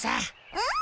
うん。